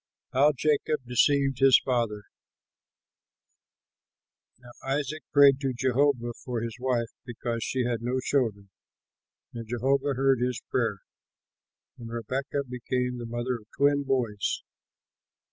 HOW JACOB DECEIVED HIS FATHER Now Isaac prayed to Jehovah for his wife, because she had no children; and Jehovah heard his prayer, and Rebekah became the mother of twin boys.